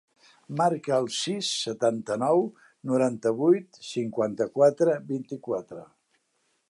Marca el sis, setanta-nou, noranta-vuit, cinquanta-quatre, vint-i-quatre.